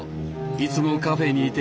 いつもカフェにいて。